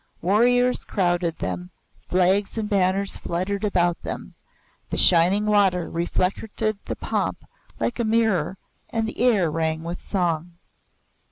Warriors crowded them, flags and banners fluttered about them; the shining water reflected the pomp like a mirror and the air rang with song.